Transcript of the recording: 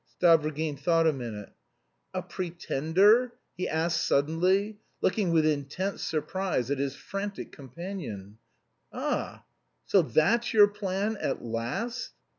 Stavrogin thought a minute. "A pretender?" he asked suddenly, looking with intense surprise at his frantic companion. "Ah! so that's your plan at last!"